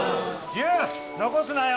優残すなよ